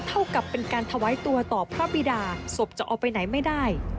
เท่ากับเป็นการถวายตัวต่อพระบิดาศพจะเอาไปไหนไม่ได้